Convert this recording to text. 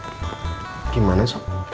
aku langsung birunya ke pipes